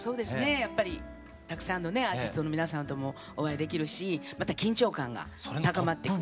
やっぱりたくさんのねアーティストの皆さんともお会いできるしまた緊張感が高まってきます。